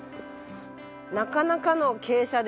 なかなかの傾斜ですね。